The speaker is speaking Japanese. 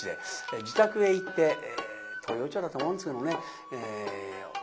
自宅へ行って東陽町だと思うんですけどもね教わりました。